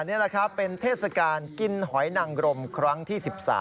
นี่แหละครับเป็นเทศกาลกินหอยนังรมครั้งที่๑๓